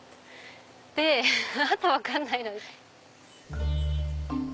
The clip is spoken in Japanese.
であと分かんないな。